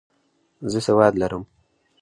زه سواد لرم.